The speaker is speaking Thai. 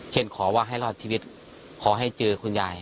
ขอว่าให้รอดชีวิตขอให้เจอคุณยาย